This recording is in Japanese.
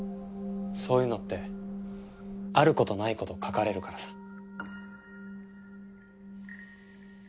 そういうのってある事ない事書かれるからさ。